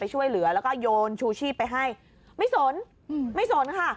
ช่วยเหลือแล้วก็โยนชูชีพไปให้ไม่สนไม่สนค่ะ